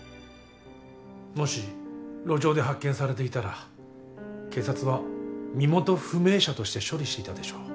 もし路上で発見されていたら警察は身元不明者として処理していたでしょう。